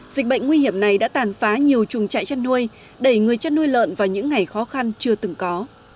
dịch bệnh nguy hiểm này đã tàn phá nhiều trùng trại chăn nuôi đẩy người chăn nuôi lợn vào những ngày khó khăn chưa từng có